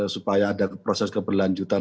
supaya ada proses keberlanjutan